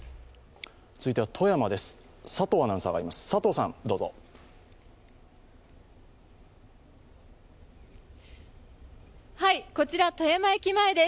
続いては富山です。